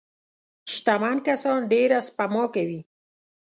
شتمن کسان ډېره سپما کوي.